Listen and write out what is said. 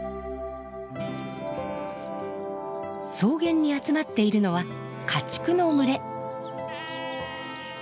草原に集まっているのは家畜の群れ。